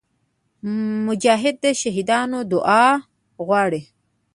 مجاهد د شهیدانو دعا غواړي.